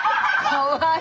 かわいい。